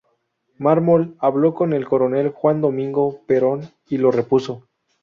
Mármol hablo con el coronel Juan Domingo Perón y lo repuso.